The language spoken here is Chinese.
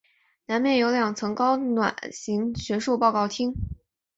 南面有两层高卵形学术报告厅。